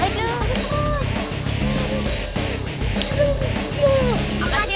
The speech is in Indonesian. makasih ya bang